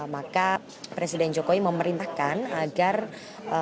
maka presiden jokowi memerintahkan agar pemerintah